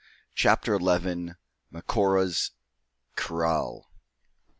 CHAPTER ELEVEN. MACORA'S KRAAL.